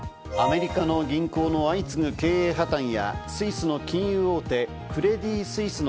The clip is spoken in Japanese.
アメリカの銀行の相次ぐ経営破綻や、スイスの金融大手クレディ・スイスの